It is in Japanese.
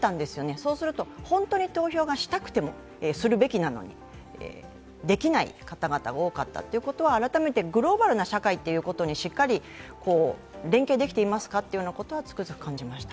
そうすると本当に投票がしたくても、するべきなのにできない方々が多かったことは、改めてグローバルな社会ということにしっかり連携できていますかということはつくづく感じました。